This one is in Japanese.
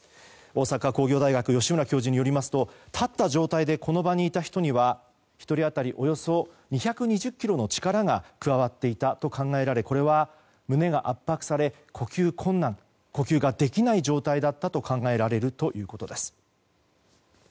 大阪工業大学の吉村教授によりますと立った状態でこの場にいた人には１人当たりおよそ２２０ｋｇの力が加わっていたと考えられこれは胸が圧迫され呼吸困難呼吸ができない状態だったと考えられるということです。